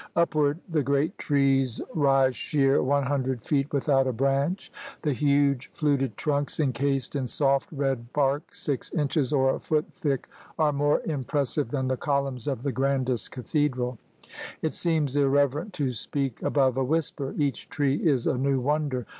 Upward the great trees rise sheer one hundred feet without a branch. The huge fluted trunks encased in soft, red bark six inches or a foot thick are more impressive than the columns of the grandest cathedral. It seems irreverent to speak above a whisper. Each tree is a new wonder.